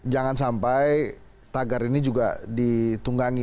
jangan sampai tagar ini juga ditunggangi